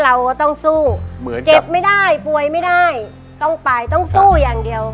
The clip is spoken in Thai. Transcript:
เราก็ต้องสู้เหมือนเจ็บไม่ได้ป่วยไม่ได้ต้องไปต้องสู้อย่างเดียว